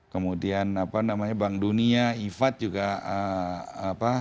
kemudian apa namanya bank dunia ifad juga